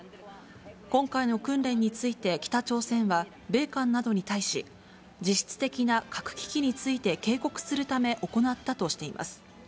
今回の訓練について北朝鮮は、米韓などに対し、実質的な核危機について警告するため行ったとしています。